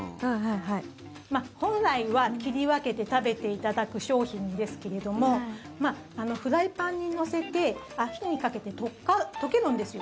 本来は切り分けて食べていただく商品ですけれどもフライパンに乗せて火にかけて溶けるんですよ。